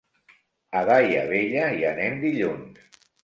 A Daia Vella hi anem dilluns.